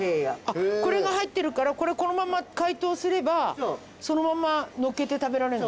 これが入ってるからこれこのまま解凍すればそのままのっけて食べられる？